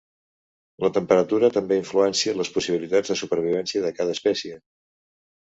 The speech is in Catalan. La temperatura també influencia les possibilitats de supervivència de cada espècie.